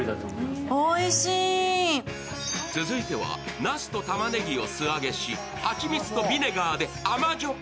続いてはなすとたまねぎを素揚げし、蜂蜜とビネガーで甘じょっ